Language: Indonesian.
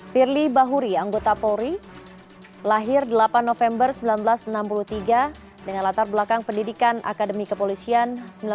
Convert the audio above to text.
firly bahuri anggota polri lahir delapan november seribu sembilan ratus enam puluh tiga dengan latar belakang pendidikan akademi kepolisian seribu sembilan ratus sembilan puluh